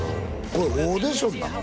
これオーディションなの？